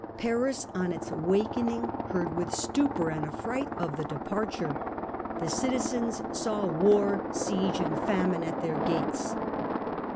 ' Paris, on its awakening, heard with stupor and affright of the departure. The citizens saw war, siege, and famine at their gates.